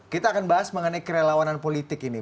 kita akan bahas mengenai kerelawanan politik ini